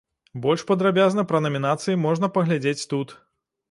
Больш падрабязна пра намінацыі можна паглядзець тут.